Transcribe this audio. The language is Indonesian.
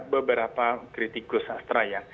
beberapa kritikus sastra ya